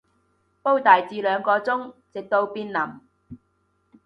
煲大致兩個鐘，直到變腍